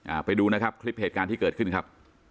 ไปดูนะครับคลิปเหตุการณ์ที่เกิดขึ้นครับ